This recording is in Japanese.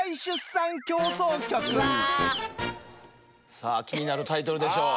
さあ気になるタイトルでしょう。